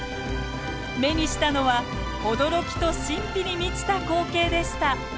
目にしたのは驚きと神秘に満ちた光景でした。